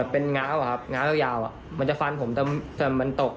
เป็นง้าวง้าวยาวมันจะฟันผมแต่มันตก